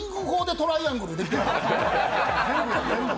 トライアングルできています。